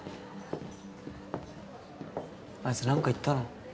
あいつ何か言ったの？